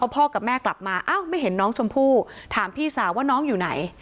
พ่อกับแม่กลับมาอ้าวไม่เห็นน้องชมพู่ถามพี่สาวว่าน้องอยู่ไหน